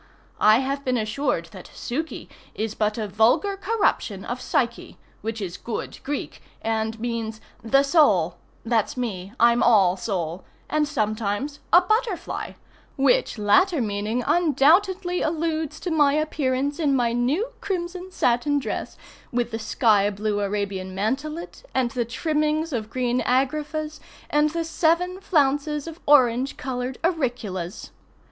I have been assured that Suky is but a vulgar corruption of Psyche, which is good Greek, and means "the soul" (that's me, I'm all soul) and sometimes "a butterfly," which latter meaning undoubtedly alludes to my appearance in my new crimson satin dress, with the sky blue Arabian mantelet, and the trimmings of green agraffas, and the seven flounces of orange colored auriculas.